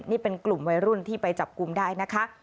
นี่เป็นกลุ่มวัยรุ่นที่ไปจับกลุ่มได้นะคะ